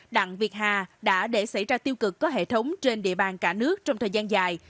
đặng việt hà đã để xảy ra tiêu cực có hệ thống trên địa bàn cả nước trong thời gian dài